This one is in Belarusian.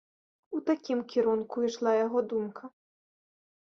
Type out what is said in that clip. У такім кірунку ішла яго думка.